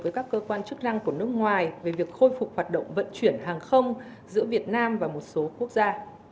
với các cơ quan chức năng của nước ngoài về việc khôi phục hoạt động vận chuyển hàng không giữa việt nam và một số quốc gia